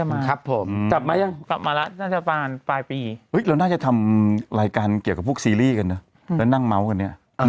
มืดแค่จะทำรายการเกี่ยวกับพวกซีรีส์กันนะนะนำม้ากว่ากันเนี่ยอ่า